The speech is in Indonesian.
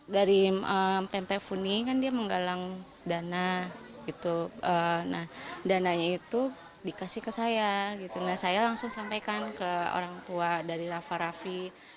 dari tempe funi kan dia menggalang dana dananya itu dikasih ke saya saya langsung sampaikan ke orang tua dari rafa rafi